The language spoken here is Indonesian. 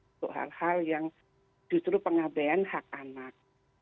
untuk hal hal yang justru pengabean hak anak